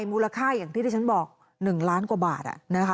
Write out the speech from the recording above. แต่มูลค่าอย่างที่ได้ฉันบอก๑ล้านกว่าบาท